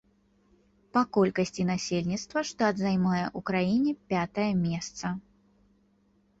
Па колькасці насельніцтва штат займае ў краіне пятае месца.